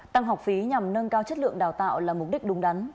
tăng học phí nhằm nâng cao chất lượng đào tạo là mục đích đúng đắn